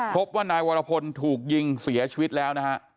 พบว่านายวรพลถูกยิงเสียชีวิตแล้วนะฮะ